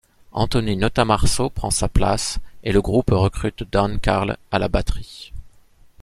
Anthony Notarmaso prend sa place et le groupe recrute Dan Carle à la batterie.